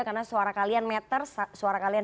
karena suara kalian meter suara kalian